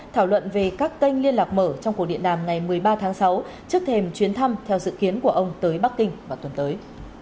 thảo luận về các kênh liên lạc mở trong cuộc điện đàm ngày một mươi ba tháng sáu trước thềm chuyến thăm theo dự kiến của ông tới bắc kinh vào tuần tới